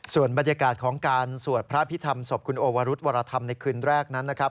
ส่วนบรรยากาศของการสวดพระพิธรรมศพคุณโอวรุธวรธรรมในคืนแรกนั้นนะครับ